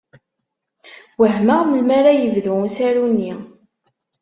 Wehmeɣ melmi ara yebdu usaru-nni.